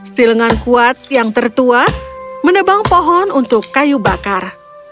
silengan kuat yang tertua menebang pohon untuk kayu bakar